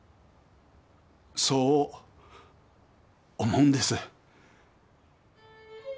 そう思うんです。